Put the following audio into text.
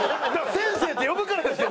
先生って呼ぶからですよ